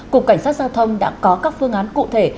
cục cảnh sát giao thông đã có các phương án cụ thể